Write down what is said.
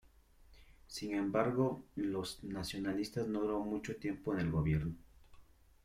Sin embargo, los nacionalistas no duró mucho tiempo en el gobierno.